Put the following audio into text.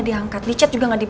dia sarang kamu misalnya hai